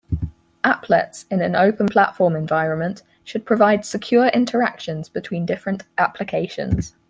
Applets in an open platform environment should provide secure interactions between different applications.